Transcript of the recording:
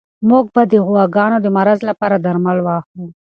موږ به د غواګانو د مرض لپاره درمل واخلو.